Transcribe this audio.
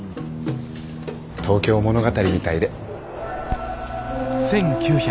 「東京物語」みたいで。